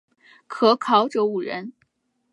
可考者五人。